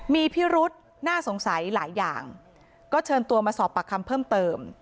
มีพิรุษน่าสงสัยหลายอย่างก็เชิญตัวมาสอบปากคำเพิ่มเติม